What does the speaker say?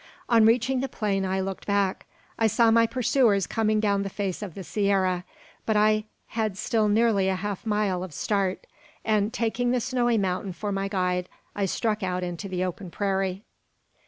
On reaching the plain I looked back. I saw my pursuers coming down the face of the sierra; but I had still nearly half a mile of start, and, taking the snowy mountain for my guide, I struck out into the open prairie.